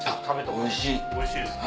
おいしいですか。